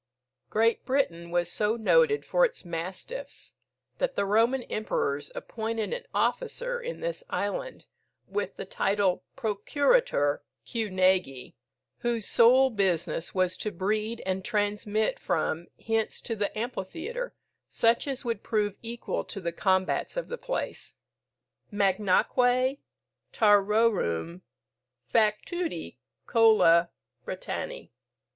"Great Brittain was so noted for its Mastiffs, that the Roman Emperors appointed an Officer in this Island, with the title of Procurator Cynegii, whose sole business was to breed, and transmit from hence to the Amphitheatre, such as would prove equal to the combats of the place: Magnaque taurorum fracturi colla Britanni."